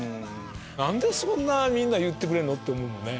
何でそんなみんな言ってくれるの？って思うもんね。